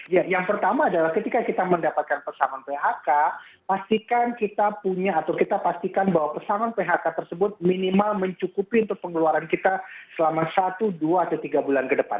ya yang pertama adalah ketika kita mendapatkan pesangon phk pastikan kita punya atau kita pastikan bahwa pesangon phk tersebut minimal mencukupi untuk pengeluaran kita selama satu dua atau tiga bulan ke depan